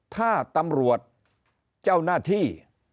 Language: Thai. ถ้าตำรวจเจ้าหน้าที่